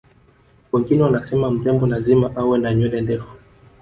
wengine wanasema mrembo lazima awe na nywele ndefu